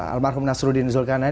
almarhum nasruddin zulkarnani